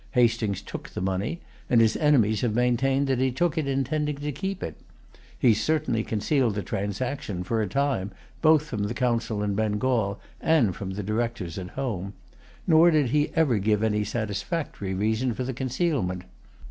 Hastings took the money, and his enemies have maintained that he took it intending to keep it. He certainly concealed the transaction, for a time, both from the Council in Bengal and from the Directors at home; nor did he ever give any satisfactory reason for the concealment.